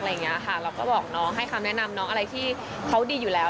เราก็บอกน้องให้คำแนะนำน้องอะไรที่เขาดีอยู่แล้ว